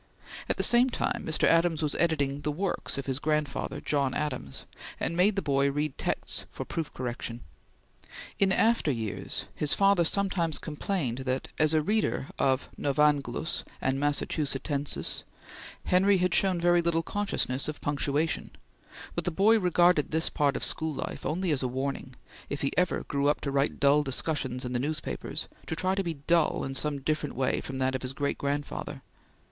At the same time Mr. Adams was editing the "Works" of his grandfather John Adams, and made the boy read texts for proof correction. In after years his father sometimes complained that, as a reader of Novanglus and Massachusettensis, Henry had shown very little consciousness of punctuation; but the boy regarded this part of school life only as a warning, if he ever grew up to write dull discussions in the newspapers, to try to be dull in some different way from that of his great grandfather.